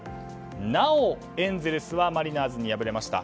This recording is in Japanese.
なお、エンゼルスはマリナーズに敗れました。